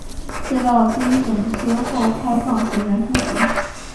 隧道经整修后开放行人通行。